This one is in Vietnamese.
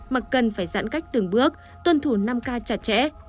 mà cần phải giãn cách từng bước tuân thủ năm k chặt chẽ